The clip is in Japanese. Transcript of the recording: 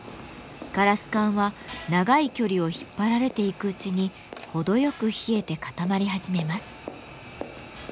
ガラス管は長い距離を引っ張られていくうちに程よく冷えて固まり始めます。